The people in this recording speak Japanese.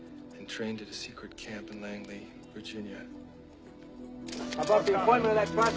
議員お願いします！